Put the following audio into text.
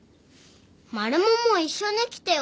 マルモも一緒に来てよ。